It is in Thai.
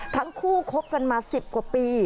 ทั้งคู่คบกันมา๑๐กว่าปี